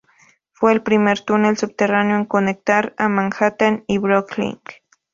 Fue el primer túnel subterráneo en conectar a Manhattan y Brooklyn.